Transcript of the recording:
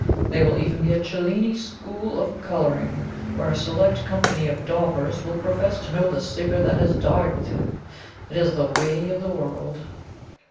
There may even be a Cellini 'School of Colouring,' where a select company of daubers will profess to know the secret that has died with him. It is the way of the world!"